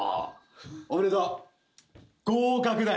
おめでとう合格だよ！